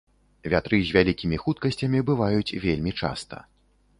Вятры з вялікімі хуткасцямі бываюць вельмі часта.